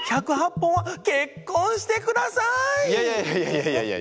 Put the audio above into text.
いやいやいや。